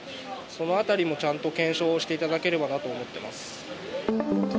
そのあたりもちゃんと検証をしていただければなと思ってます。